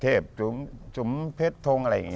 จุ๋มจุ๋มเพชรทงอะไรอย่างนี้